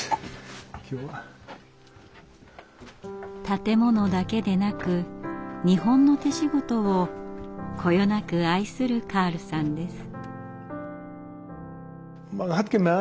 建物だけでなく日本の手仕事をこよなく愛するカールさんです。